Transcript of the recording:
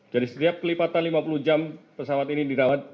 jadi setiap kelipatan lima puluh jam pesawat ini dirawat